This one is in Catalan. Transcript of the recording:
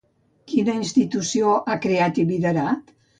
Quina institució ha creat i liderat?